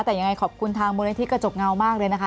แต่ยังไงขอบคุณทางบริเวณที่กระจกเงามากเลยนะคะ